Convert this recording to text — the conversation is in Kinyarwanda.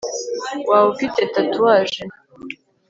waba ufite tatouage